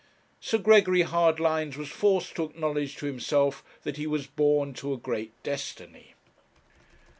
Sir Gregory Hardlines was forced to acknowledge to himself that he was born to a great destiny.